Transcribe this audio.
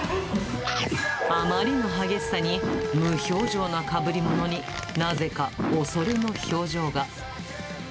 あまりの激しさに、無表情なかぶりものに、なぜか恐れの表情が。